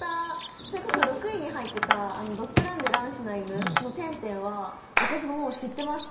それこそ６位に入ってたドッグランでランしない犬のてんてんは私も知ってました。